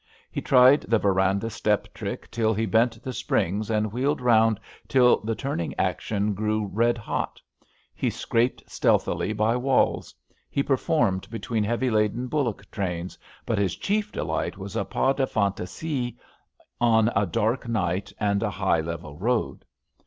He tried the veran dah step trick till he bent the springs, and wheeled round till the turning action grew red hot; he scraped stealthily by walls ; he performed between heavy laden buUock trains, but his chief delight was a pas de fantasie on a dark night and a high, level road.